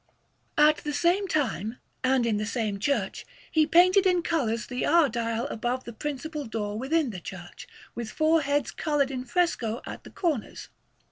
At the same time, and in the same church, he painted in colours the hour dial above the principal door within the church, with four heads coloured in fresco at the corners.